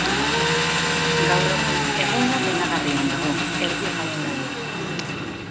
Gaur egun egoera penagarrian dago, erdi jausten.